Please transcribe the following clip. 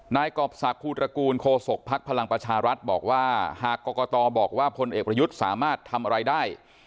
กรอบศักดิภูตระกูลโคศกภักดิ์พลังประชารัฐบอกว่าหากกรกตบอกว่าพลเอกประยุทธ์สามารถทำอะไรได้